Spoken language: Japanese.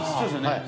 はい。